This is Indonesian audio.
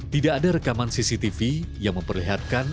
tidak ada rekaman cctv yang memperlihatkan